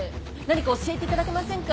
何か教えていただけませんか？